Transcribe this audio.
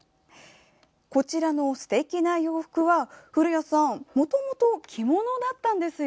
こちらのすてきな洋服はもともと着物だったんですよ。